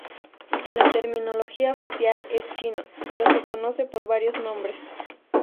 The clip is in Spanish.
En la terminología oficial es chino pero se conoce por varios nombres.